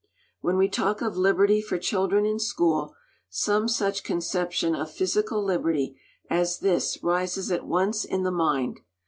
When we talk of liberty for children in school, some such conception of physical liberty as this rises at once in the mind.